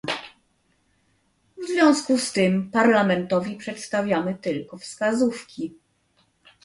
W związku z tym Parlamentowi przedstawiamy tylko wskazówki